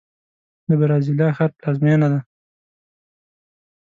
د برازیلیا ښار پلازمینه ده.